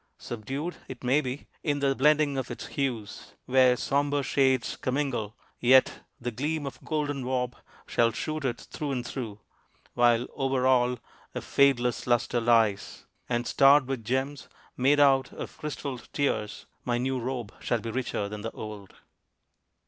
Subdued, It may be, in the blending of its hues, Where somber shades commingle, yet the gleam Of golden warp shall shoot it through and through, While over all a fadeless luster lies, And starred with gems made out of crystalled tears, My new robe shall be richer than the old.